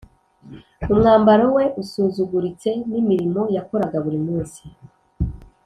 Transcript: , umwambaro we usuzuguritse, n’imirimo yakoraga buri munsi